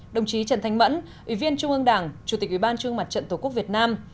đồng chí trần thanh mẫn ủy viên trung ương đảng chủ tịch ủy ban trung mặt trận tổ quốc việt nam